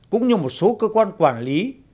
cũng như một số cơ quan quản lý